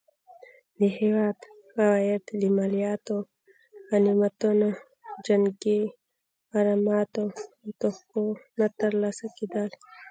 د هیواد عواید له مالیاتو، غنیمتونو، جنګي غراماتو او تحفو نه ترلاسه کېدل.